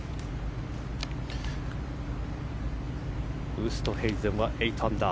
ウーストヘイゼンは８アンダー。